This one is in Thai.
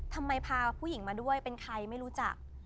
ทำไมพาผู้หญิงมาด้วยเป็นใครไม่รู้จัก